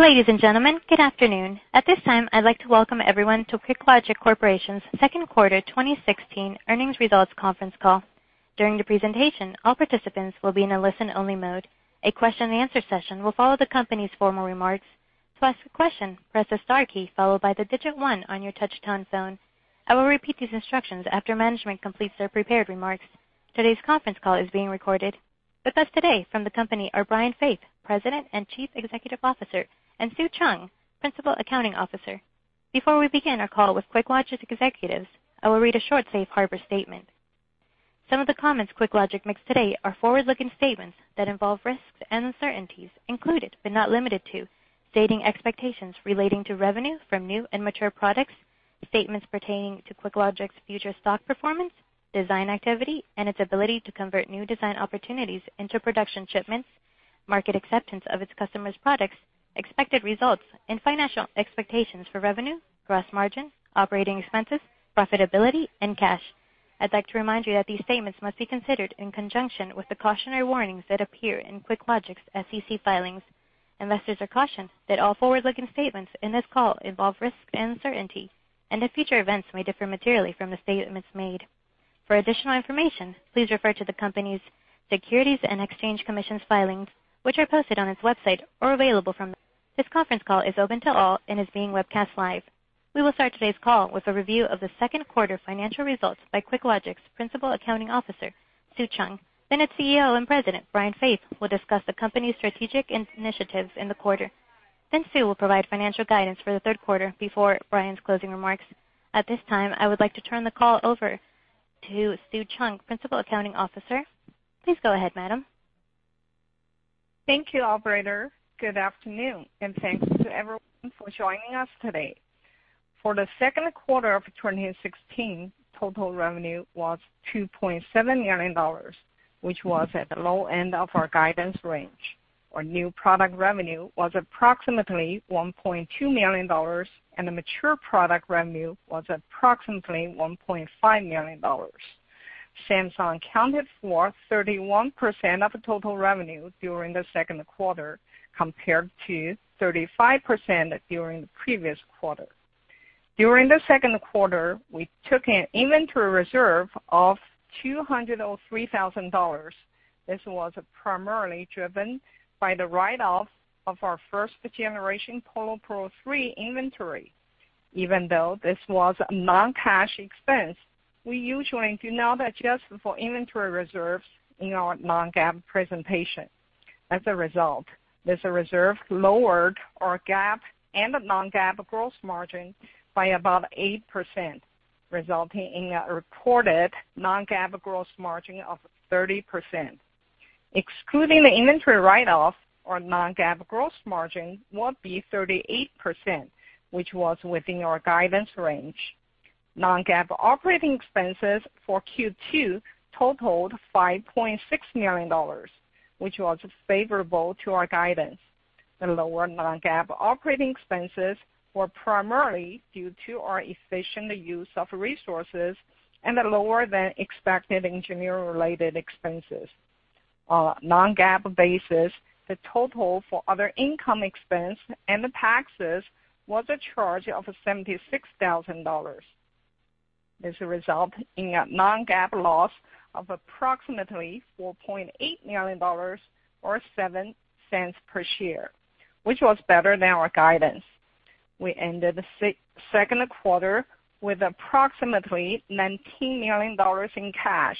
Ladies and gentlemen, good afternoon. At this time, I'd like to welcome everyone to QuickLogic Corporation's second quarter 2016 earnings results conference call. During the presentation, all participants will be in a listen-only mode. A question and answer session will follow the company's formal remarks. To ask a question, press the star key followed by the digit one on your touch-tone phone. I will repeat these instructions after management completes their prepared remarks. Today's conference call is being recorded. With us today from the company are Brian Faith, President and Chief Executive Officer, and Sue Cheung, Principal Accounting Officer. Before we begin our call with QuickLogic's executives, I will read a short safe harbor statement. Some of the comments QuickLogic makes today are forward-looking statements that involve risks and uncertainties included, but not limited to, stating expectations relating to revenue from new and mature products, statements pertaining to QuickLogic's future stock performance, design activity, and its ability to convert new design opportunities into production shipments, market acceptance of its customers' products, expected results, and financial expectations for revenue, gross margin, operating expenses, profitability, and cash. I'd like to remind you that these statements must be considered in conjunction with the cautionary warnings that appear in QuickLogic's SEC filings. Investors are cautioned that all forward-looking statements in this call involve risk and uncertainty, and that future events may differ materially from the statements made. For additional information, please refer to the company's Securities and Exchange Commission filings, which are posted on its website or available from. This conference call is open to all and is being webcast live. We will start today's call with a review of the second quarter financial results by QuickLogic's Principal Accounting Officer, Sue Cheung. Its CEO and President, Brian Faith, will discuss the company's strategic initiatives in the quarter. Sue will provide financial guidance for the third quarter before Brian's closing remarks. At this time, I would like to turn the call over to Sue Cheung, Principal Accounting Officer. Please go ahead, madam. Thank you, operator. Good afternoon, and thank you to everyone for joining us today. For the second quarter of 2016, total revenue was $2.7 million, which was at the low end of our guidance range. Our new product revenue was approximately $1.2 million, and the mature product revenue was approximately $1.5 million. Samsung accounted for 31% of the total revenue during the second quarter, compared to 35% during the previous quarter. During the second quarter, we took an inventory reserve of $203,000. This was primarily driven by the write-off of our first generation PolarPro 3 inventory. Even though this was a non-cash expense, we usually do not adjust for inventory reserves in our non-GAAP presentation. As a result, this reserve lowered our GAAP and non-GAAP gross margin by about 8%, resulting in a reported non-GAAP gross margin of 30%. Excluding the inventory write-off, our non-GAAP gross margin would be 38%, which was within our guidance range. Non-GAAP operating expenses for Q2 totaled $5.6 million, which was favorable to our guidance. The lower non-GAAP operating expenses were primarily due to our efficient use of resources and the lower than expected engineer-related expenses. On a non-GAAP basis, the total for other income expense and the taxes was a charge of $76,000. This resulted in a non-GAAP loss of approximately $4.8 million or $0.07 per share, which was better than our guidance. We ended the second quarter with approximately $19 million in cash,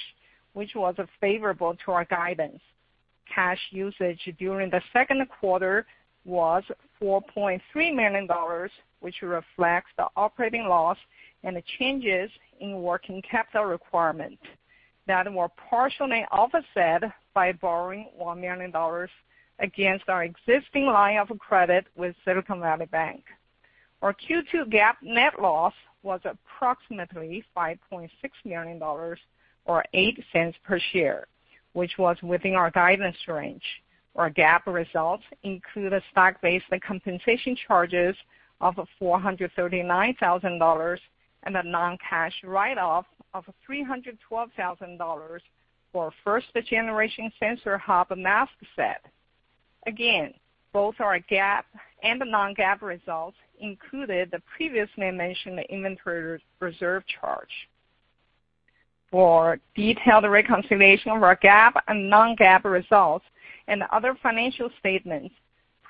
which was favorable to our guidance. Cash usage during the second quarter was $4.3 million, which reflects the operating loss and the changes in working capital requirements that were partially offset by borrowing $1 million against our existing line of credit with Silicon Valley Bank. Our Q2 GAAP net loss was approximately $5.6 million or $0.08 per share, which was within our guidance range. Our GAAP results include stock-based compensation charges of $439,000 and a non-cash write-off of $312,000 for first generation sensor hub mask set. Both our GAAP and non-GAAP results included the previously mentioned inventory reserve charge. For detailed reconciliation of our GAAP and non-GAAP results and other financial statements,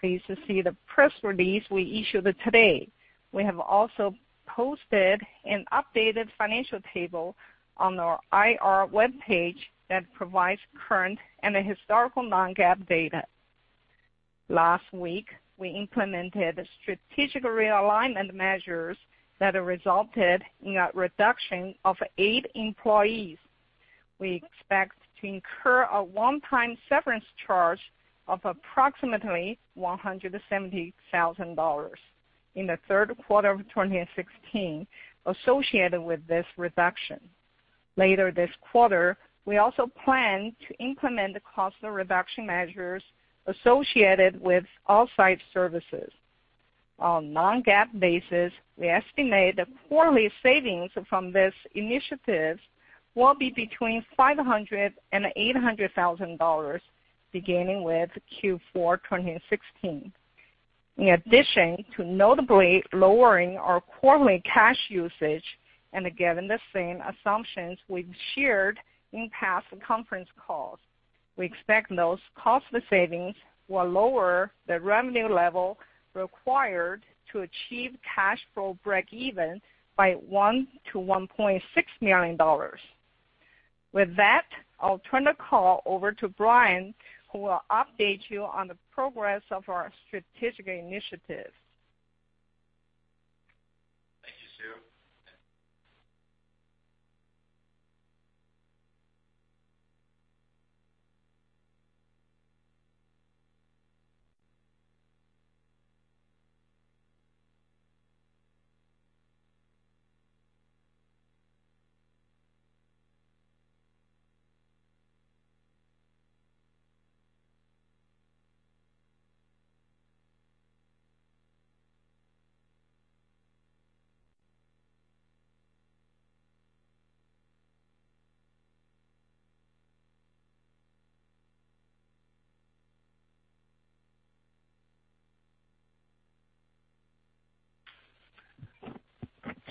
please see the press release we issued today. We have also posted an updated financial table on our IR webpage that provides current and historical non-GAAP data. Last week, we implemented strategic realignment measures that resulted in a reduction of eight employees. We expect to incur a one-time severance charge of approximately $170,000 in the third quarter of 2016 associated with this reduction. Later this quarter, we also plan to implement cost reduction measures associated with off-site services. On a non-GAAP basis, we estimate the quarterly savings from this initiative will be between $500,000 and $800,000 beginning with Q4 2016. In addition to notably lowering our quarterly cash usage, and given the same assumptions we've shared in past conference calls, we expect those costly savings will lower the revenue level required to achieve cash flow breakeven by $1 million to $1.6 million. With that, I'll turn the call over to Brian, who will update you on the progress of our strategic initiatives.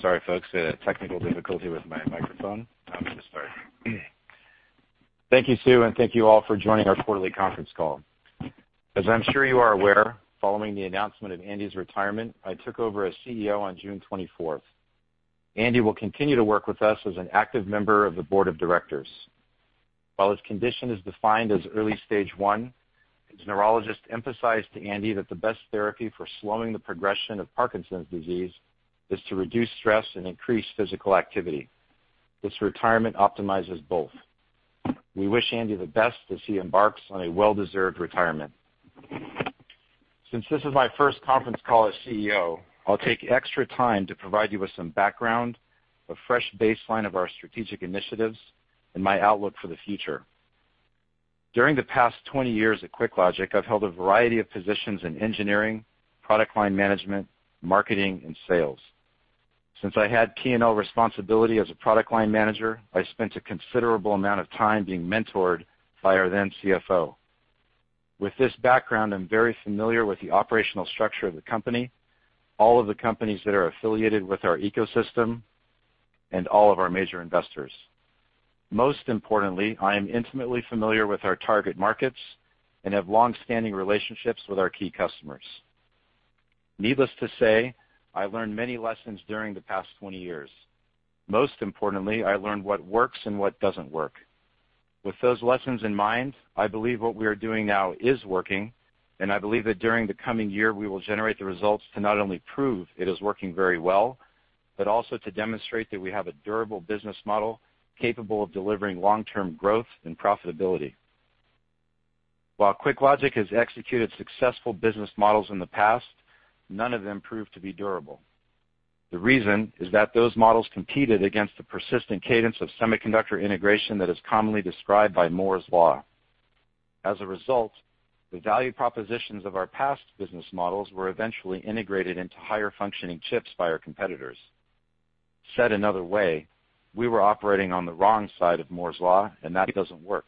Thank you, Sue. Sorry, folks. Technical difficulty with my microphone. I'm going to start. Thank you, Sue, and thank you all for joining our quarterly conference call. As I'm sure you are aware, following the announcement of Andy's retirement, I took over as CEO on June 24th. Andy will continue to work with us as an active member of the board of directors. While his condition is defined as early stage 1, his neurologist emphasized to Andy that the best therapy for slowing the progression of Parkinson's disease is to reduce stress and increase physical activity. This retirement optimizes both. We wish Andy the best as he embarks on a well-deserved retirement. Since this is my first conference call as CEO, I'll take extra time to provide you with some background, a fresh baseline of our strategic initiatives, and my outlook for the future. During the past 20 years at QuickLogic, I've held a variety of positions in engineering, product line management, marketing, and sales. Since I had P&L responsibility as a product line manager, I spent a considerable amount of time being mentored by our then CFO. With this background, I'm very familiar with the operational structure of the company, all of the companies that are affiliated with our ecosystem, and all of our major investors. Most importantly, I am intimately familiar with our target markets and have longstanding relationships with our key customers. Needless to say, I learned many lessons during the past 20 years. Most importantly, I learned what works and what doesn't work. With those lessons in mind, I believe what we are doing now is working, and I believe that during the coming year, we will generate the results to not only prove it is working very well, but also to demonstrate that we have a durable business model capable of delivering long-term growth and profitability. While QuickLogic has executed successful business models in the past, none of them proved to be durable. The reason is that those models competed against the persistent cadence of semiconductor integration that is commonly described by Moore's Law. As a result, the value propositions of our past business models were eventually integrated into higher functioning chips by our competitors. Said another way, we were operating on the wrong side of Moore's Law, and that doesn't work.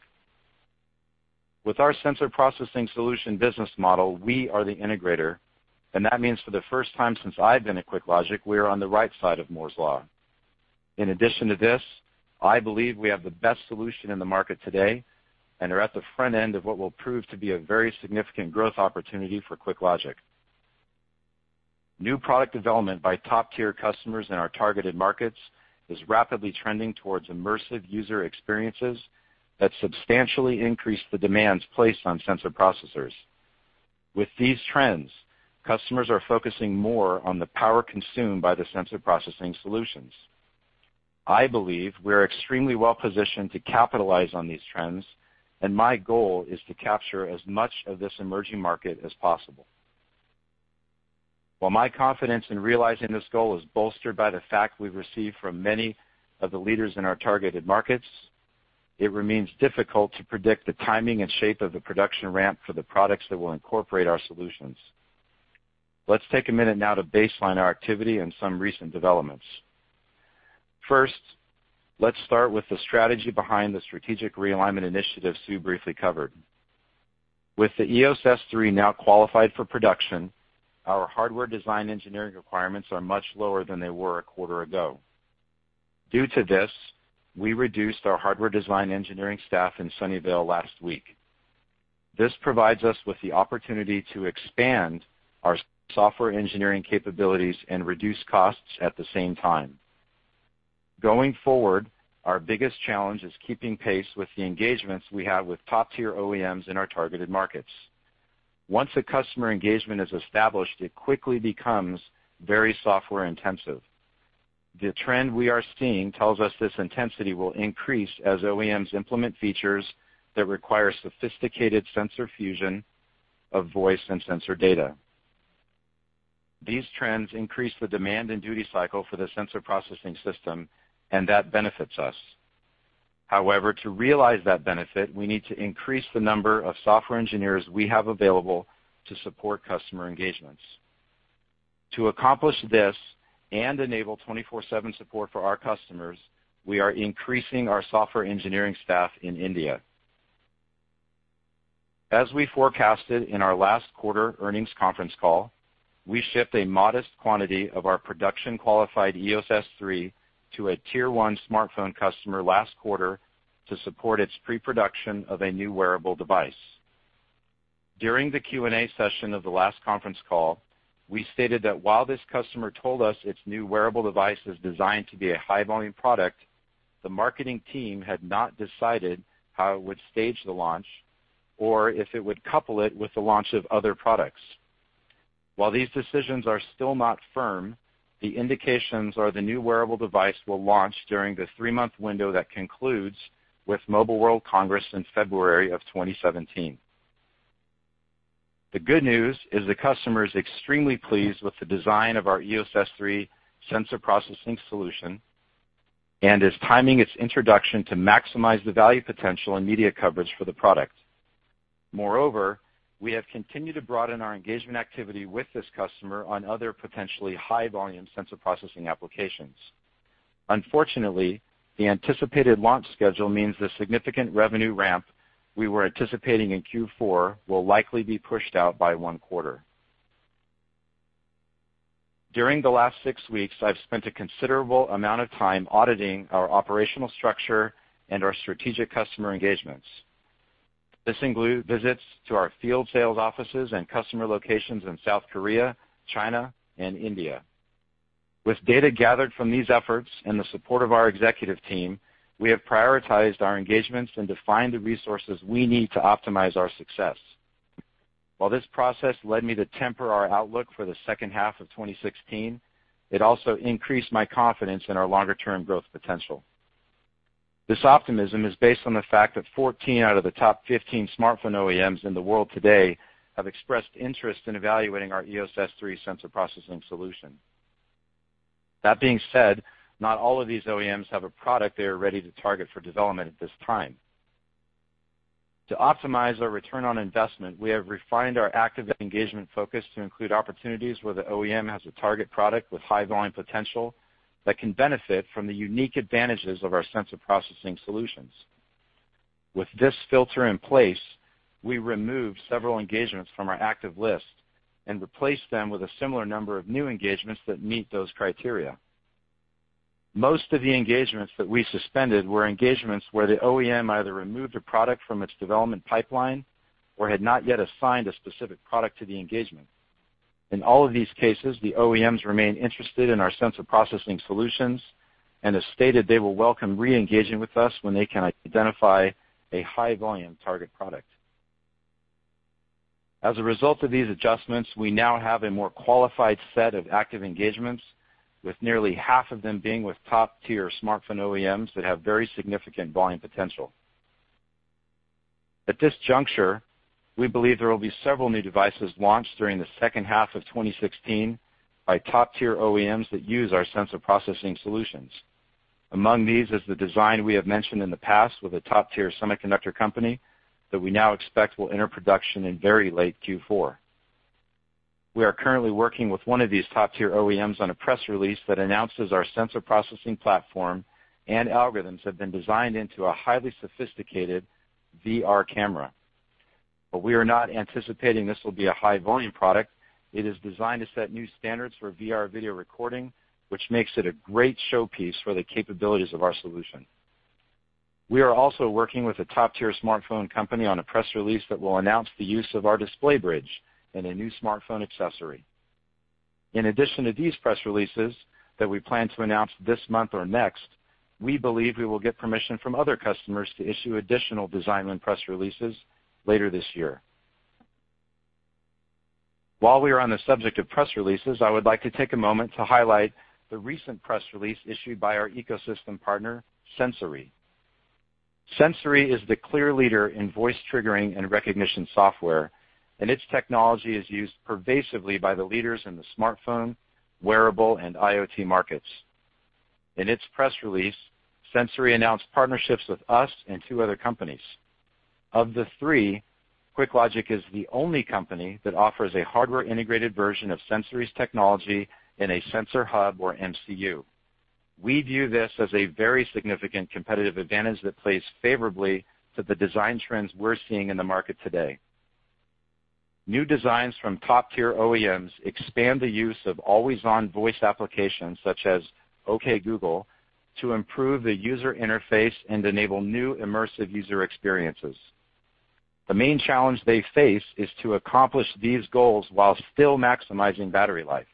With our sensor processing solution business model, we are the integrator, and that means for the first time since I've been at QuickLogic, we are on the right side of Moore's Law. In addition to this, I believe we have the best solution in the market today and are at the front end of what will prove to be a very significant growth opportunity for QuickLogic. New product development by top-tier customers in our targeted markets is rapidly trending towards immersive user experiences that substantially increase the demands placed on sensor processors. With these trends, customers are focusing more on the power consumed by the sensor processing solutions. I believe we're extremely well positioned to capitalize on these trends, and my goal is to capture as much of this emerging market as possible. While my confidence in realizing this goal is bolstered by the fact we've received from many of the leaders in our targeted markets, it remains difficult to predict the timing and shape of the production ramp for the products that will incorporate our solutions. Let's take a minute now to baseline our activity and some recent developments. First, let's start with the strategy behind the strategic realignment initiative Sue briefly covered. With the EOS S3 now qualified for production, our hardware design engineering requirements are much lower than they were a quarter ago. Due to this, we reduced our hardware design engineering staff in Sunnyvale last week. This provides us with the opportunity to expand our software engineering capabilities and reduce costs at the same time. Going forward, our biggest challenge is keeping pace with the engagements we have with top-tier OEMs in our targeted markets. Once a customer engagement is established, it quickly becomes very software intensive. The trend we are seeing tells us this intensity will increase as OEMs implement features that require sophisticated sensor fusion of voice and sensor data. These trends increase the demand and duty cycle for the sensor processing system, and that benefits us. However, to realize that benefit, we need to increase the number of software engineers we have available to support customer engagements. To accomplish this and enable 24/7 support for our customers, we are increasing our software engineering staff in India. As we forecasted in our last quarter earnings conference call, we shipped a modest quantity of our production-qualified EOS S3 to a tier 1 smartphone customer last quarter to support its pre-production of a new wearable device. During the Q&A session of the last conference call, we stated that while this customer told us its new wearable device is designed to be a high-volume product, the marketing team had not decided how it would stage the launch, or if it would couple it with the launch of other products. While these decisions are still not firm, the indications are the new wearable device will launch during the three-month window that concludes with Mobile World Congress in February of 2017. The good news is the customer is extremely pleased with the design of our EOS S3 sensor processing solution and is timing its introduction to maximize the value potential and media coverage for the product. Moreover, we have continued to broaden our engagement activity with this customer on other potentially high-volume sensor processing applications. Unfortunately, the anticipated launch schedule means the significant revenue ramp we were anticipating in Q4 will likely be pushed out by one quarter. During the last six weeks, I've spent a considerable amount of time auditing our operational structure and our strategic customer engagements. This includes visits to our field sales offices and customer locations in South Korea, China, and India. With data gathered from these efforts and the support of our executive team, we have prioritized our engagements and defined the resources we need to optimize our success. While this process led me to temper our outlook for the second half of 2016, it also increased my confidence in our longer-term growth potential. This optimism is based on the fact that 14 out of the top 15 smartphone OEMs in the world today have expressed interest in evaluating our EOS S3 sensor processing solution. That being said, not all of these OEMs have a product they are ready to target for development at this time. To optimize our return on investment, we have refined our active engagement focus to include opportunities where the OEM has a target product with high volume potential that can benefit from the unique advantages of our sensor processing solutions. With this filter in place, we removed several engagements from our active list and replaced them with a similar number of new engagements that meet those criteria. Most of the engagements that we suspended were engagements where the OEM either removed a product from its development pipeline or had not yet assigned a specific product to the engagement. In all of these cases, the OEMs remain interested in our sensor processing solutions and have stated they will welcome re-engaging with us when they can identify a high-volume target product. As a result of these adjustments, we now have a more qualified set of active engagements with nearly half of them being with top-tier smartphone OEMs that have very significant volume potential. At this juncture, we believe there will be several new devices launched during the second half of 2016 by top-tier OEMs that use our sensor processing solutions. Among these is the design we have mentioned in the past with a top-tier semiconductor company that we now expect will enter production in very late Q4. We are currently working with one of these top-tier OEMs on a press release that announces our sensor processing platform and algorithms have been designed into a highly sophisticated VR camera, but we are not anticipating this will be a high-volume product. It is designed to set new standards for VR video recording, which makes it a great showpiece for the capabilities of our solution. We are also working with a top-tier smartphone company on a press release that will announce the use of our display bridge in a new smartphone accessory. In addition to these press releases that we plan to announce this month or next, we believe we will get permission from other customers to issue additional design win press releases later this year. While we are on the subject of press releases, I would like to take a moment to highlight the recent press release issued by our ecosystem partner, Sensory. Sensory is the clear leader in voice triggering and recognition software, and its technology is used pervasively by the leaders in the smartphone, wearable, and IoT markets. In its press release, Sensory announced partnerships with us and two other companies. Of the three, QuickLogic is the only company that offers a hardware-integrated version of Sensory's technology in a sensor hub or MCU. We view this as a very significant competitive advantage that plays favorably to the design trends we're seeing in the market today. New designs from top-tier OEMs expand the use of always-on voice applications such as OK Google to improve the user interface and enable new immersive user experiences. The main challenge they face is to accomplish these goals while still maximizing battery life.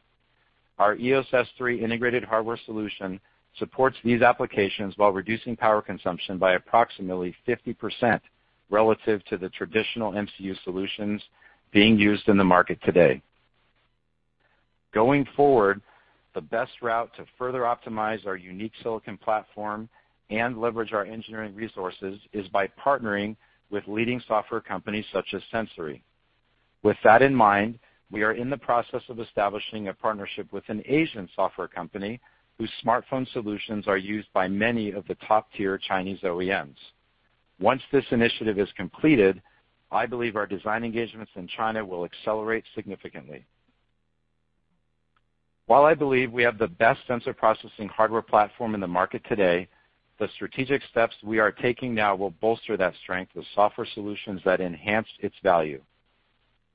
Our EOS S3 integrated hardware solution supports these applications while reducing power consumption by approximately 50% relative to the traditional MCU solutions being used in the market today. Going forward, the best route to further optimize our unique silicon platform and leverage our engineering resources is by partnering with leading software companies such as Sensory. With that in mind, we are in the process of establishing a partnership with an Asian software company whose smartphone solutions are used by many of the top-tier Chinese OEMs. Once this initiative is completed, I believe our design engagements in China will accelerate significantly. While I believe we have the best sensor processing hardware platform in the market today, the strategic steps we are taking now will bolster that strength with software solutions that enhance its value.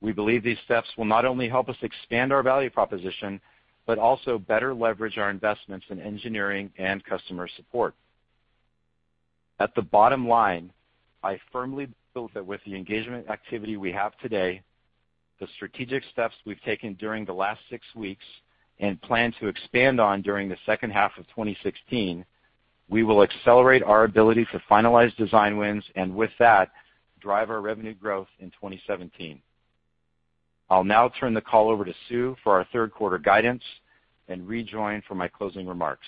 We believe these steps will not only help us expand our value proposition, but also better leverage our investments in engineering and customer support. At the bottom line, I firmly believe that with the engagement activity we have today, the strategic steps we've taken during the last 6 weeks, and plan to expand on during the second half of 2016, we will accelerate our ability to finalize design wins, and with that, drive our revenue growth in 2017. I'll now turn the call over to Sue for our third quarter guidance and rejoin for my closing remarks.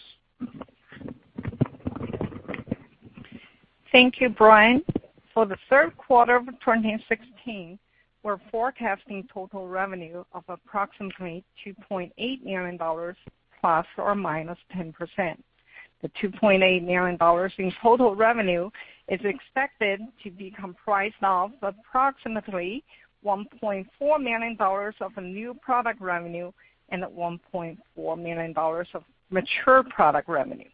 Thank you, Brian. For the third quarter of 2016, we're forecasting total revenue of approximately $2.8 million, plus or minus 10%. The $2.8 million in total revenue is expected to be comprised of approximately $1.4 million of new product revenue and $1.4 million of mature product revenue.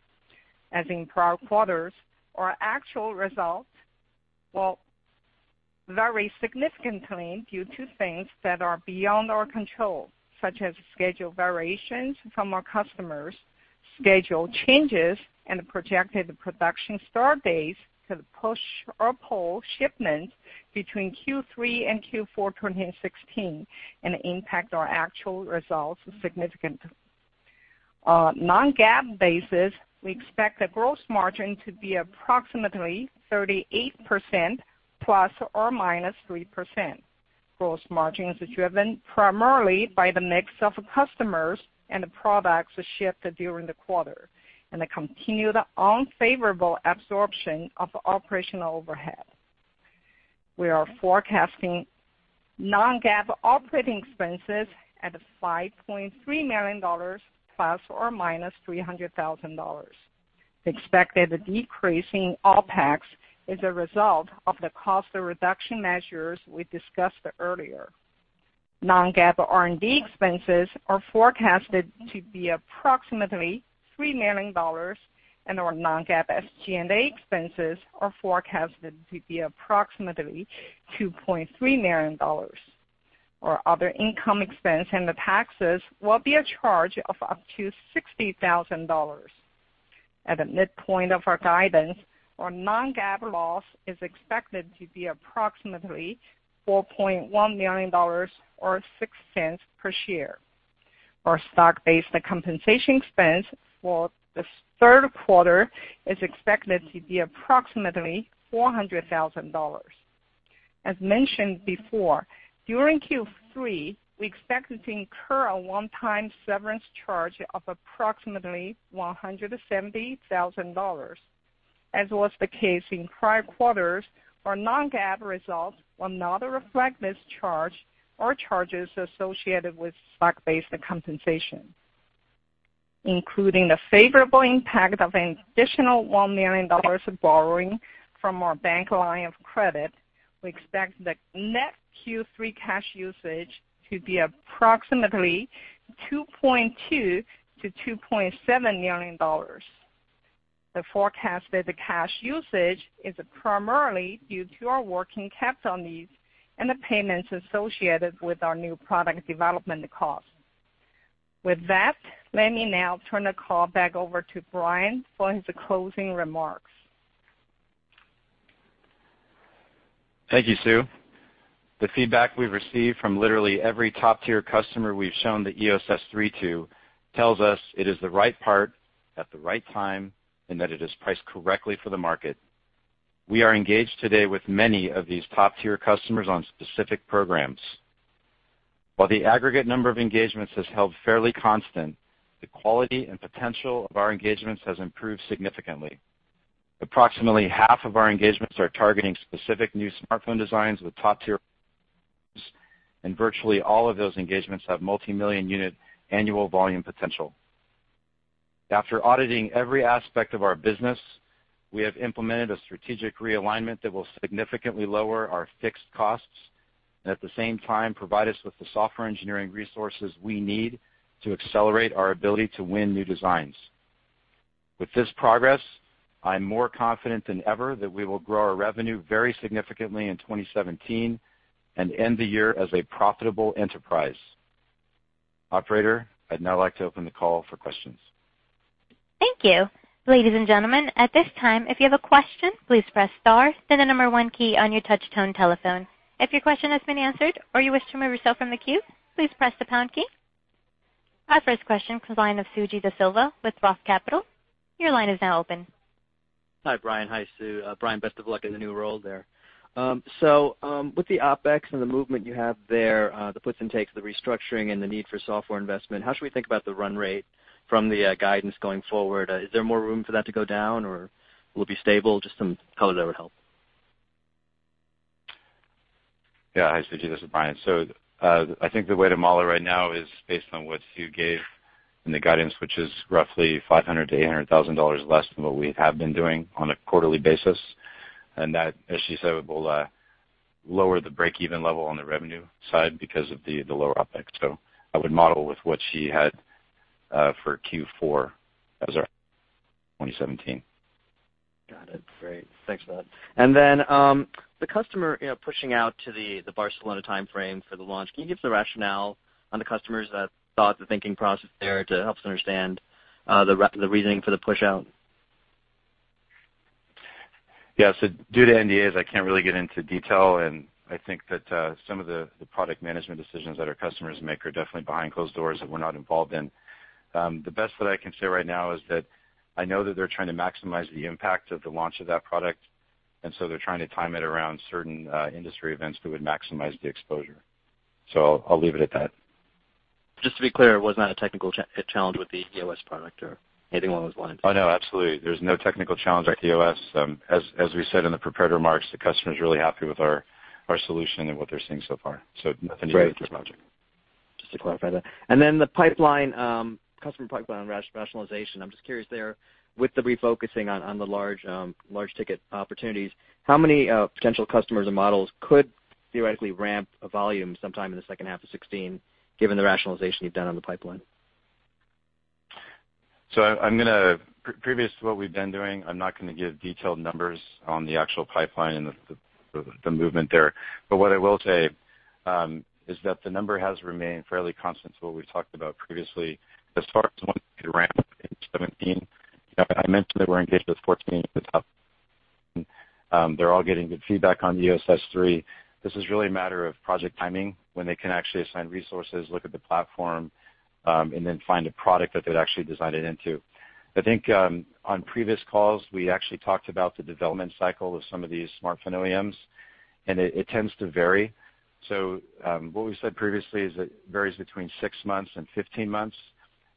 As in prior quarters, our actual results will vary significantly due to things that are beyond our control, such as schedule variations from our customers, schedule changes, and the projected production start dates to push or pull shipments between Q3 and Q4 2016 and impact our actual results significantly. On a non-GAAP basis, we expect the gross margin to be approximately 38%, plus or minus 3%. Gross margin is driven primarily by the mix of customers and the products shipped during the quarter and the continued unfavorable absorption of operational overhead. We are forecasting non-GAAP operating expenses at $5.3 million, plus or minus $300,000. The expected decrease in OpEx is a result of the cost reduction measures we discussed earlier. Non-GAAP R&D expenses are forecasted to be approximately $3 million, and our non-GAAP SG&A expenses are forecasted to be approximately $2.3 million. Our other income expense and the taxes will be a charge of up to $60,000. At the midpoint of our guidance, our non-GAAP loss is expected to be approximately $4.1 million or $0.06 per share. Our stock-based compensation expense for the third quarter is expected to be approximately $400,000. As mentioned before, during Q3, we expect to incur a one-time severance charge of approximately $170,000. As was the case in prior quarters, our non-GAAP results will not reflect this charge or charges associated with stock-based compensation. Including the favorable impact of an additional $1 million of borrowing from our bank line of credit, we expect the net Q3 cash usage to be approximately $2.2 million-$2.7 million. The forecasted cash usage is primarily due to our working capital needs and the payments associated with our new product development costs. With that, let me now turn the call back over to Brian for his closing remarks. Thank you, Sue. The feedback we've received from literally every top-tier customer we've shown the EOS S3 to tells us it is the right part at the right time and that it is priced correctly for the market. We are engaged today with many of these top-tier customers on specific programs. While the aggregate number of engagements has held fairly constant, the quality and potential of our engagements has improved significantly. Approximately half of our engagements are targeting specific new smartphone designs with top-tier and virtually all of those engagements have multimillion-unit annual volume potential. After auditing every aspect of our business, we have implemented a strategic realignment that will significantly lower our fixed costs, and at the same time, provide us with the software engineering resources we need to accelerate our ability to win new designs. With this progress, I'm more confident than ever that we will grow our revenue very significantly in 2017 and end the year as a profitable enterprise. Operator, I'd now like to open the call for questions. Thank you. Ladies and gentlemen, at this time, if you have a question, please press star, then the 1 key on your touch-tone telephone. If your question has been answered or you wish to remove yourself from the queue, please press the pound key. Our first question comes the line of Suji Desilva with Roth Capital. Your line is now open. Hi, Brian. Hi, Sue. Brian, best of luck in the new role there. With the OpEx and the movement you have there, the puts and takes, the restructuring, and the need for software investment, how should we think about the run rate from the guidance going forward? Is there more room for that to go down, or will it be stable? Just some color there would help. Hi, Suji. This is Brian. I think the way to model right now is based on what Sue gave in the guidance, which is roughly $500,000-$800,000 less than what we have been doing on a quarterly basis. That, as she said, will lower the break-even level on the revenue side because of the lower OpEx. I would model with what she had for Q4 as our 2017. Got it. Great. Thanks for that. The customer pushing out to the Barcelona timeframe for the launch. Can you give us the rationale on the customers, the thought, the thinking process there to help us understand the reasoning for the push-out? Due to NDAs, I can't really get into detail, and I think that some of the product management decisions that our customers make are definitely behind closed doors that we're not involved in. The best that I can say right now is that I know that they're trying to maximize the impact of the launch of that product, and so they're trying to time it around certain industry events that would maximize the exposure. I'll leave it at that. Just to be clear, it was not a technical challenge with the EOS product or anything along those lines? Oh, no, absolutely. There's no technical challenge with EOS. As we said in the prepared remarks, the customer's really happy with our solution and what they're seeing so far, so nothing to do with this project. Just to clarify that. The customer pipeline rationalization, I'm just curious there, with the refocusing on the large ticket opportunities, how many potential customers and models could theoretically ramp a volume sometime in the second half of 2016, given the rationalization you've done on the pipeline? Previous to what we've been doing, I'm not going to give detailed numbers on the actual pipeline and the movement there. What I will say is that the number has remained fairly constant to what we've talked about previously as far as when it ramped in 2017. I mentioned that we're engaged with 14 at the top. They're all getting good feedback on the EOS S3. This is really a matter of project timing, when they can actually assign resources, look at the platform, and then find a product that they'd actually design it into. I think on previous calls, we actually talked about the development cycle of some of these smartphone OEMs, and it tends to vary. What we've said previously is it varies between six months and 15 months,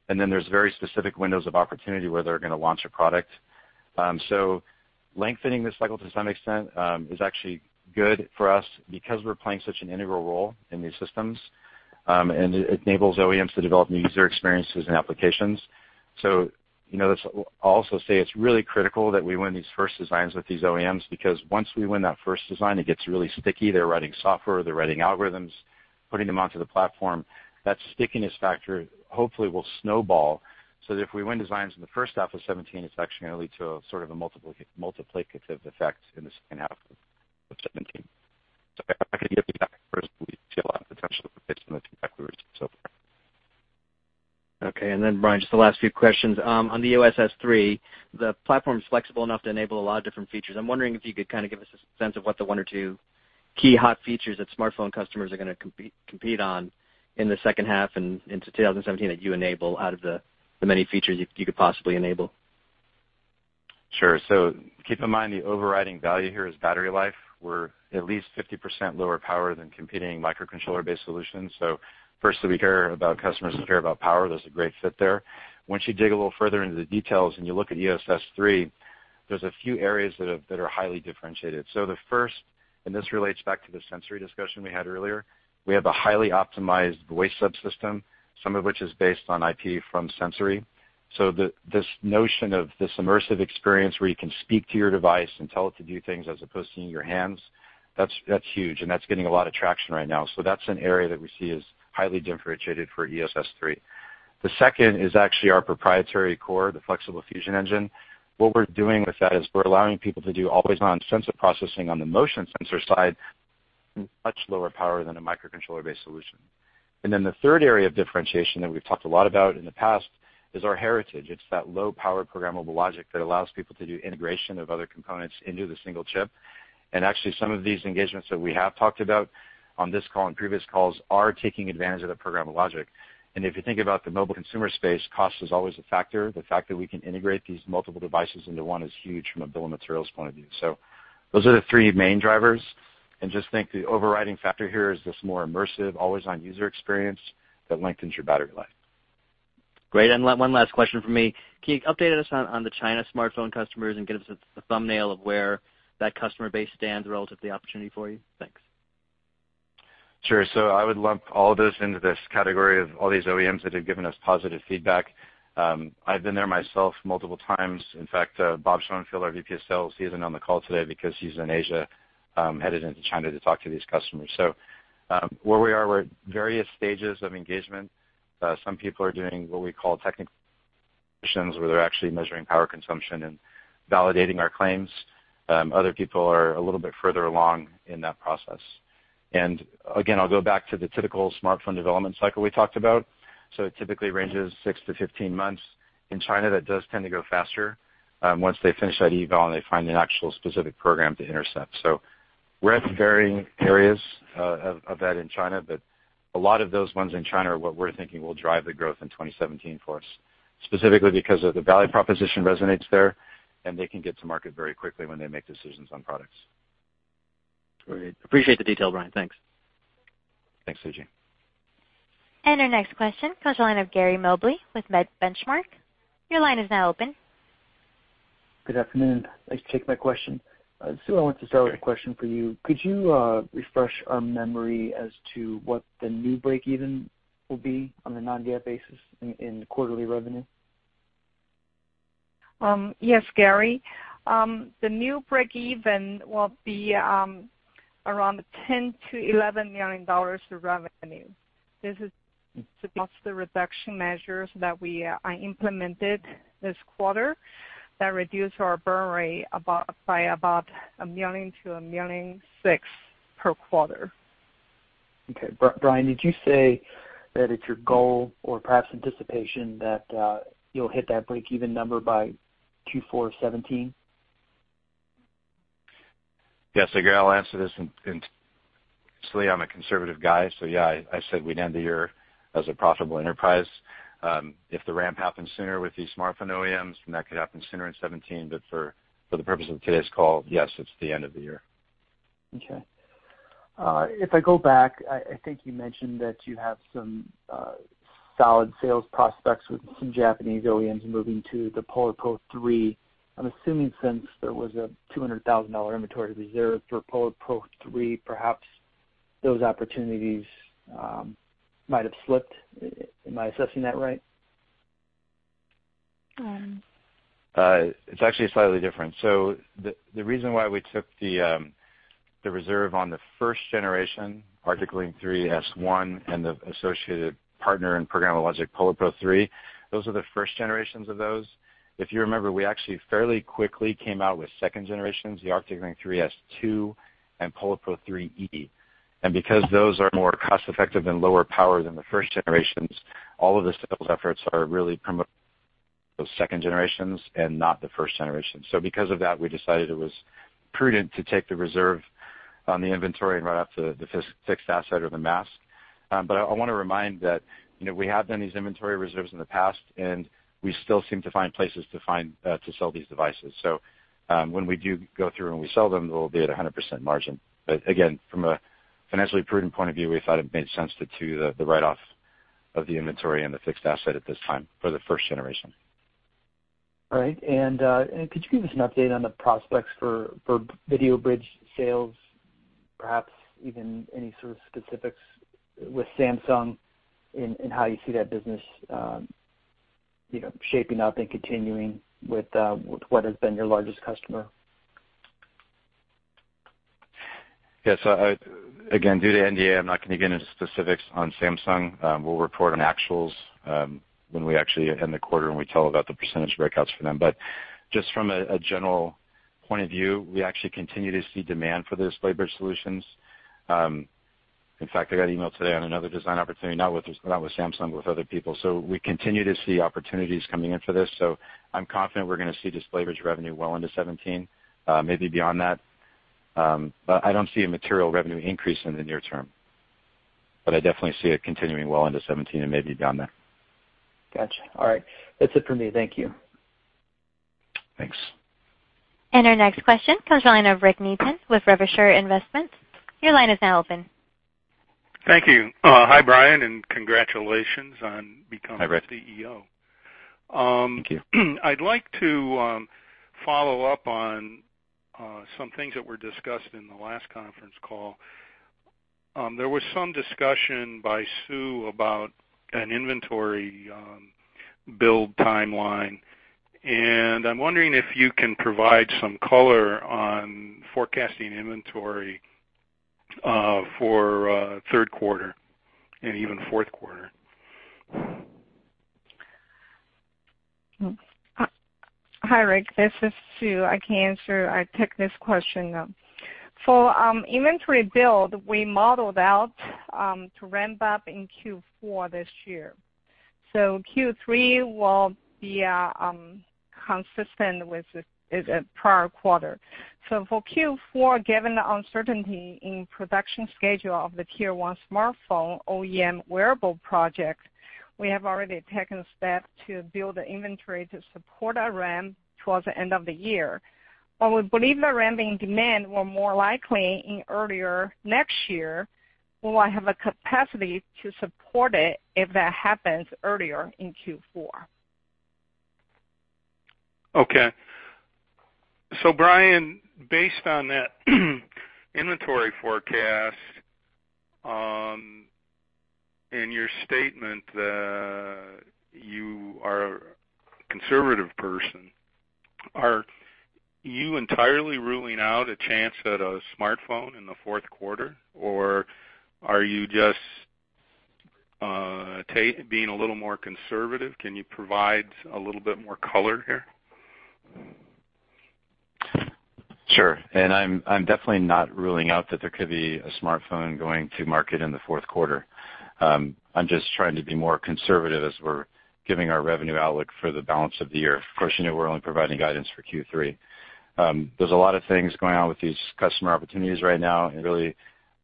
and then there's very specific windows of opportunity where they're going to launch a product. Lengthening this cycle to some extent is actually good for us because we're playing such an integral role in these systems, and it enables OEMs to develop new user experiences and applications. I'll also say it's really critical that we win these first designs with these OEMs because once we win that first design, it gets really sticky. They're writing software, they're writing algorithms, putting them onto the platform. That stickiness factor hopefully will snowball, so that if we win designs in the first half of 2017, it's actually going to lead to sort of a multiplicative effect in the second half of 2017. I can give you that first. We see a lot of potential for based on the feedback we received so far. Okay. Brian, just the last few questions. On the EOS S3, the platform is flexible enough to enable a lot of different features. I'm wondering if you could kind of give us a sense of what the one or two key hot features that smartphone customers are going to compete on in the second half and into 2017 that you enable out of the many features you could possibly enable. Sure. Keep in mind, the overriding value here is battery life. We're at least 50% lower power than competing microcontroller-based solutions. Firstly, we care about customers who care about power. There's a great fit there. Once you dig a little further into the details and you look at EOS S3, there's a few areas that are highly differentiated. The first, and this relates back to the Sensory discussion we had earlier, we have a highly optimized voice subsystem, some of which is based on IP from Sensory. This notion of this immersive experience where you can speak to your device and tell it to do things as opposed to using your hands, that's huge and that's getting a lot of traction right now. That's an area that we see as highly differentiated for EOS S3. The second is actually our proprietary core, the Flexible Fusion Engine. What we're doing with that is we're allowing people to do always-on sensor processing on the motion sensor side in much lower power than a microcontroller-based solution. The third area of differentiation that we've talked a lot about in the past is our heritage. It's that low-power programmable logic that allows people to do integration of other components into the single chip. Actually, some of these engagements that we have talked about on this call and previous calls are taking advantage of that programmable logic. If you think about the mobile consumer space, cost is always a factor. The fact that we can integrate these multiple devices into one is huge from a bill of materials point of view. Those are the three main drivers. Just think the overriding factor here is this more immersive, always-on user experience that lengthens your battery life. Great. One last question from me. Can you update us on the China smartphone customers and give us a thumbnail of where that customer base stands relative to the opportunity for you? Thanks. Sure. I would lump all of this into this category of all these OEMs that have given us positive feedback. I've been there myself multiple times. In fact, Bob Schoenfeld, our vp of sales, he isn't on the call today because he's in Asia, headed into China to talk to these customers. Where we are, we're at various stages of engagement. Some people are doing what we call technical solutions, where they're actually measuring power consumption and validating our claims. Other people are a little bit further along in that process. Again, I'll go back to the typical smartphone development cycle we talked about. It typically ranges 6-15 months. In China, that does tend to go faster once they finish that eval and they find an actual specific program to intercept. We're at varying areas of that in China, a lot of those ones in China are what we're thinking will drive the growth in 2017 for us, specifically because of the value proposition resonates there, and they can get to market very quickly when they make decisions on products. Great. Appreciate the detail, Brian. Thanks. Thanks, Suji. Our next question comes the line of Gary Mobley with The Benchmark Company. Your line is now open Good afternoon. Thanks for taking my question. Sue, I want to start with a question for you. Could you refresh our memory as to what the new break-even will be on a non-GAAP basis in quarterly revenue? Yes, Gary. The new break-even will be around $10 million to $11 million of revenue. This is to boost the reduction measures that I implemented this quarter that reduced our burn rate by about $1 million to $1.6 million per quarter. Okay. Brian, did you say that it's your goal or perhaps anticipation that you'll hit that break-even number by Q4 2017? Yes. Gary, I'll answer this. Obviously, I'm a conservative guy, yes, I said we'd end the year as a profitable enterprise. If the ramp happens sooner with these smartphone OEMs, that could happen sooner in 2017. For the purpose of today's call, yes, it's the end of the year. Okay. If I go back, I think you mentioned that you have some solid sales prospects with some Japanese OEMs moving to the PolarPro 3. I'm assuming since there was a $200,000 inventory reserve for PolarPro 3, perhaps those opportunities might have slipped. Am I assessing that right? It's actually slightly different. The reason why we took the reserve on the first generation, ArcticLink 3 S1, and the associated partner in programmable logic, PolarPro 3, those are the first generations of those. If you remember, we actually fairly quickly came out with second generations, the ArcticLink 3 S2 and PolarPro 3E. Because those are more cost-effective and lower power than the first generations, all of the sales efforts are really promoting those second generations and not the first generation. Because of that, we decided it was prudent to take the reserve on the inventory and write off the fixed asset or the mask. I want to remind that we have done these inventory reserves in the past, and we still seem to find places to sell these devices. When we do go through and we sell them, they will be at 100% margin. Again, from a financially prudent point of view, we thought it made sense to do the write-off of the inventory and the fixed asset at this time for the first generation. All right. Could you give us an update on the prospects for video bridge sales, perhaps even any sort of specifics with Samsung in how you see that business shaping up and continuing with what has been your largest customer? Yes. Again, due to NDA, I'm not going to get into specifics on Samsung. We'll report on actuals when we actually end the quarter, we tell about the percentage breakouts for them. Just from a general point of view, we actually continue to see demand for those display bridge solutions. In fact, I got an email today on another design opportunity, not with Samsung, but with other people. We continue to see opportunities coming in for this. I'm confident we're going to see display bridge revenue well into 2017, maybe beyond that. I don't see a material revenue increase in the near term. I definitely see it continuing well into 2017 and maybe beyond that. Got you. All right. That's it for me. Thank you. Thanks. Our next question comes from the line of Rick Neaton with Rivershore Investment Research. Your line is now open. Thank you. Hi, Brian. Hi, Rick. CEO. Thank you. I'd like to follow up on some things that were discussed in the last conference call. There was some discussion by Sue about an inventory build timeline, and I'm wondering if you can provide some color on forecasting inventory for third quarter and even fourth quarter. Hi, Rick. This is Sue. I can answer. I took this question down. For inventory build, we modeled out to ramp up in Q4 this year. Q3 will be consistent with the prior quarter. For Q4, given the uncertainty in production schedule of the tier 1 smartphone OEM wearable project, we have already taken steps to build the inventory to support our ramp towards the end of the year. We believe the ramping demand will more likely in earlier next year, when we have a capacity to support it if that happens earlier in Q4. Okay. Brian, based on that inventory forecast and your statement that you are a conservative person, are you entirely ruling out a chance at a smartphone in the fourth quarter, or are you just being a little more conservative? Can you provide a little bit more color here? Sure. I'm definitely not ruling out that there could be a smartphone going to market in the fourth quarter. I'm just trying to be more conservative as we're giving our revenue outlook for the balance of the year. Of course, you know we're only providing guidance for Q3. There's a lot of things going on with these customer opportunities right now, and really,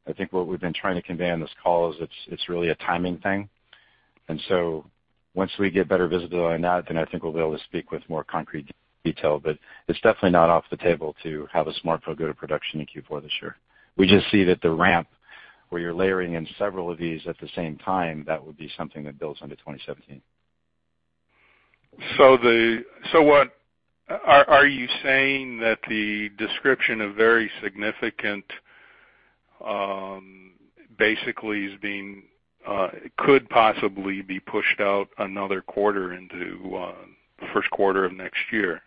I think what we've been trying to convey on this call is it's really a timing thing. Once we get better visibility on that, I think we'll be able to speak with more concrete detail. It's definitely not off the table to have a smartphone go to production in Q4 this year. We just see that the ramp Where you're layering in several of these at the same time, that would be something that builds into 2017. Are you saying that the description of very significant basically could possibly be pushed out another quarter into the first quarter of next year?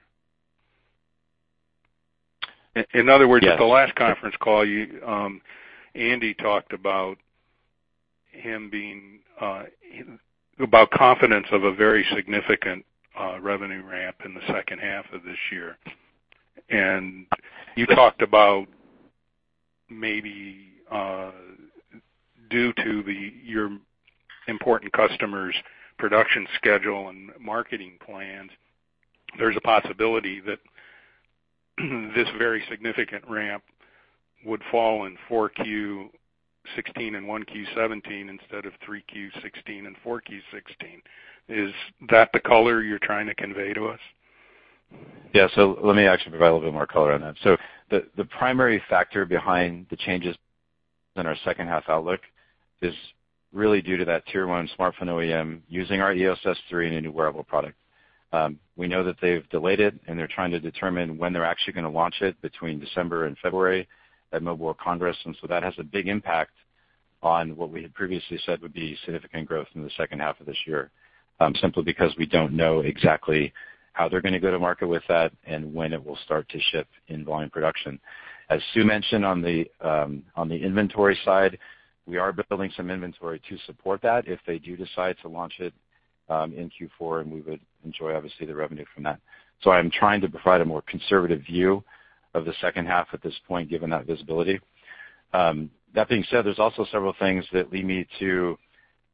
Yes. In other words, at the last conference call, Andy talked about confidence of a very significant revenue ramp in the second half of this year. You talked about maybe due to your important customer's production schedule and marketing plans, there's a possibility that this very significant ramp would fall in 4Q 2016 and 1Q 2017 instead of 3Q 2016 and 4Q 2016. Is that the color you're trying to convey to us? Yeah. Let me actually provide a little bit more color on that. The primary factor behind the changes in our second half outlook is really due to that tier 1 smartphone OEM using our EOS S3 in a new wearable product. We know that they've delayed it, and they're trying to determine when they're actually going to launch it between December and February at Mobile Congress. That has a big impact on what we had previously said would be significant growth in the second half of this year, simply because we don't know exactly how they're going to go to market with that and when it will start to ship in volume production. As Sue mentioned on the inventory side, we are building some inventory to support that if they do decide to launch it in Q4, we would enjoy, obviously, the revenue from that. I'm trying to provide a more conservative view of the second half at this point, given that visibility. That being said, there's also several things that lead me to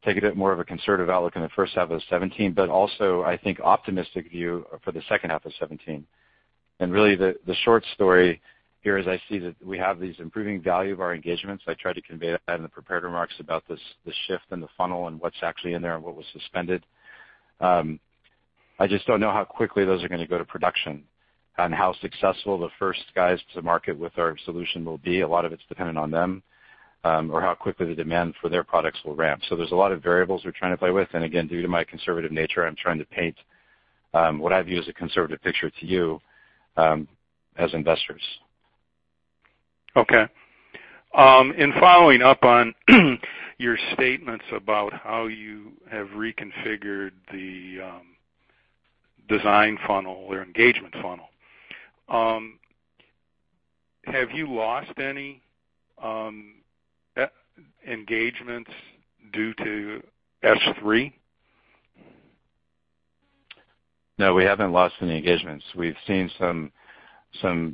take a bit more of a conservative outlook in the first half of 2017, also, I think, optimistic view for the second half of 2017. Really, the short story here is I see that we have these improving value of our engagements. I tried to convey that in the prepared remarks about the shift in the funnel and what's actually in there and what was suspended. I just don't know how quickly those are going to go to production and how successful the first guys to market with our solution will be. A lot of it's dependent on them, or how quickly the demand for their products will ramp. There's a lot of variables we're trying to play with, again, due to my conservative nature, I'm trying to paint what I view as a conservative picture to you as investors. In following up on your statements about how you have reconfigured the design funnel or engagement funnel, have you lost any engagements due to S3? No, we haven't lost any engagements. We've seen some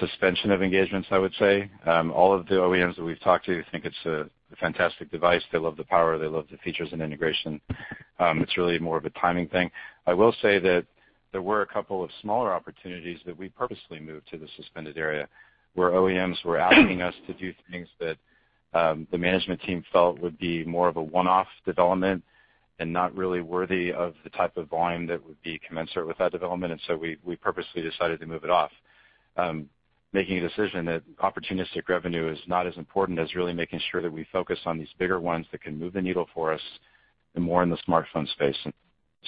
suspension of engagements, I would say. All of the OEMs that we've talked to think it's a fantastic device. They love the power. They love the features and integration. It's really more of a timing thing. I will say that there were a couple of smaller opportunities that we purposely moved to the suspended area, where OEMs were asking us to do things that the management team felt would be more of a one-off development and not really worthy of the type of volume that would be commensurate with that development. We purposely decided to move it off, making a decision that opportunistic revenue is not as important as really making sure that we focus on these bigger ones that can move the needle for us, and more in the smartphone space.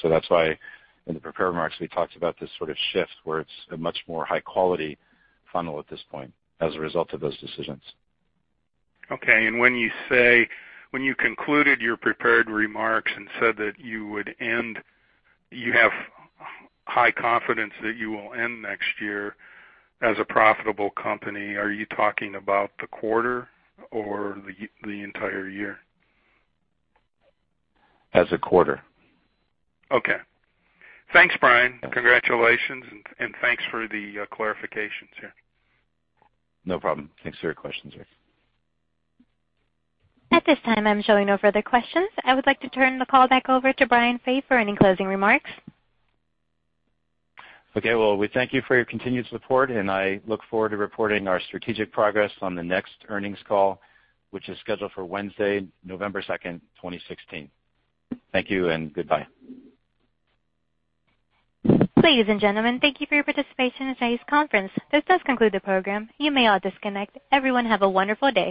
That's why in the prepared remarks, we talked about this sort of shift where it's a much more high-quality funnel at this point as a result of those decisions. When you concluded your prepared remarks and said that you have high confidence that you will end next year as a profitable company, are you talking about the quarter or the entire year? As a quarter. Okay. Thanks, Brian. Congratulations, and thanks for the clarifications here. No problem. Thanks for your questions, Rick. At this time, I'm showing no further questions. I would like to turn the call back over to Brian Faith for any closing remarks. Okay. Well, we thank you for your continued support, I look forward to reporting our strategic progress on the next earnings call, which is scheduled for Wednesday, November 2nd, 2016. Thank you and goodbye. Ladies and gentlemen, thank you for your participation in today's conference. This does conclude the program. You may all disconnect. Everyone have a wonderful day.